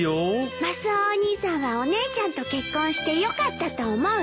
マスオお兄さんはお姉ちゃんと結婚してよかったと思う？